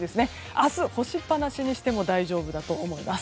明日、干しっぱなしにしても大丈夫だと思います。